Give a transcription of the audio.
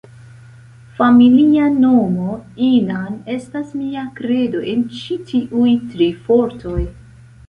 Familia nomo Inan estas mia kredo en ĉi tiuj tri fortoj.